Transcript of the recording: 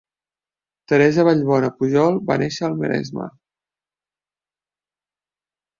Teresa Vallbona Pujol va néixer al Maresme.